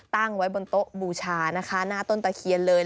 ตั้งไว้บนโต๊ะบูชานะคะหน้าต้นตะเคียนเลย